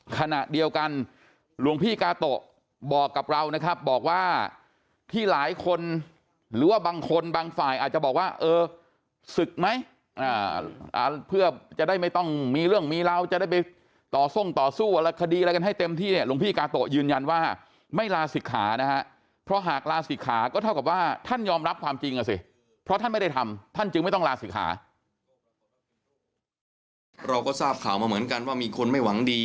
ขณะเดียวกันหลวงพี่กาโตบอกกับเรานะครับบอกว่าที่หลายคนหรือว่าบางคนบางฝ่ายอาจจะบอกว่าเออสึกไหมเพื่อจะได้ไม่ต้องมีเรื่องมีราวจะได้ไปต่อทรงต่อสู้อะไรคดีอะไรกันให้เต็มที่หลวงพี่กาโตยืนยันว่าไม่ลาศิกขานะครับเพราะหากลาศิกขาก็เท่ากับว่าท่านยอมรับความจริงอ่ะสิเพราะท่านไม่ได้ทำท่านจึงไม